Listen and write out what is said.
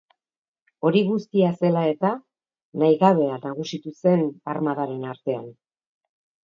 Hori guztia zela eta, nahigabea nagusitu zen armadaren artean.